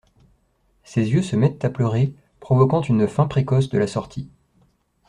Ses yeux se mettent à pleurer, provoquant une fin précoce de la sortie.